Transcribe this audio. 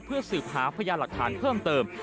เพื่อสืบหาพยานหลักฐานเพิ่มเติม